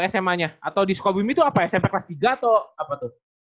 sma nya atau di sukabumi itu apa smp kelas tiga atau apa tuh